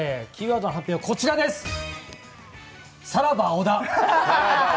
こちらです。